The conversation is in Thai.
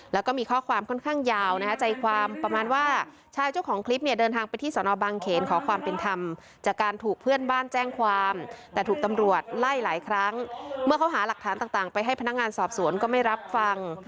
แล้วก็มีข้อความค่อนข้างยาวนะคะใจความประมาณว่าชายเจ้าของคลิปเนี่ยเดินทางไปที่สนบางเขนขอความเป็นธรรมจากการถูกเพื่อนบ้านแจ้งความแต่ถูกตำรวจไล่หลายครั้งเมื่อเขาหาหลักฐานต่างไปให้พนักงานสอบสวนก็ไม่รับฟัง